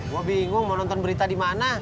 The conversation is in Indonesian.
gue bingung mau nonton berita di mana